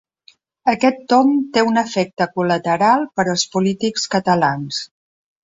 Aquest tomb té un efecte col·lateral per als polítics catalans.